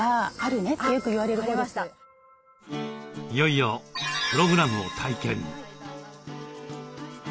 いよいよプログラムを体験。